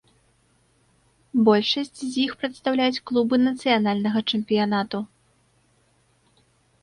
Большасць з іх прадстаўляюць клубы нацыянальнага чэмпіянату.